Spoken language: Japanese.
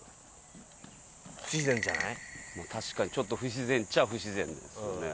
確かにちょっと不自然っちゃ不自然ですよね。